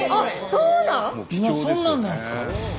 今そんなんなんですか？